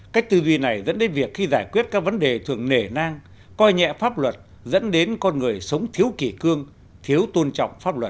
cách tư duy này dẫn đến việc khi giải quyết các vấn đề thường nể nang coi nhẹ pháp luật dẫn đến con người sống thiếu kỷ cương thiếu tôn trọng pháp luật